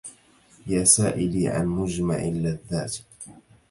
يا سائلي عن مجمع اللذات